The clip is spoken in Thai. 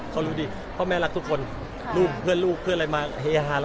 เขารู้ดิพ่อแม่รักทุกคนลูกเพื่อนลูกเพื่อนอะไรมาเฮฮา